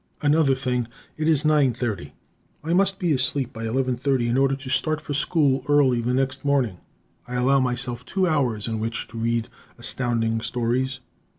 Another thing, it is nine thirty. I must be asleep by eleven thirty in order to start for school early the next morning. I allow myself two hours in which to read Astounding Stories.